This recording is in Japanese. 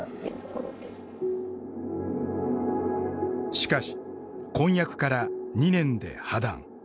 しかし婚約から２年で破談。